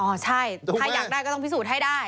ใช่ถ้าอยากได้ก็ต้องพิสูจน์ให้ได้